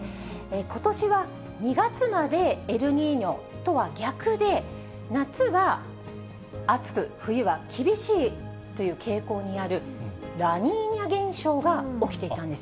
ことしは２月までエルニーニョとは逆で、夏は暑く冬は厳しいという傾向にある、ラニーニャ現象が起きていたんです。